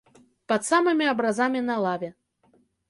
Пад самымі абразамі на лаве.